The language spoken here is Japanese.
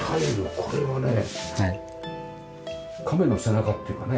これはね亀の背中っていうかね。